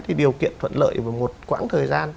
thì điều kiện thuận lợi một quãng thời gian